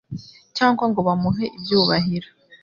cyangwa ngo bamuhe ibyubahiro.